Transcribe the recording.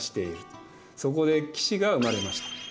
そこで騎士が生まれました。